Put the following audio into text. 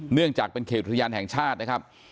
เนื่องจากเป็นเขตอุทยานแห่งชาตินะครับ